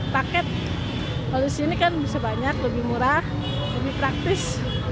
paket kalau di sini kan bisa banyak lebih murah lebih praktis